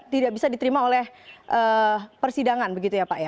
tidak bisa diterima oleh persidangan begitu ya pak ya